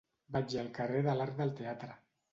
Vaig al carrer de l'Arc del Teatre.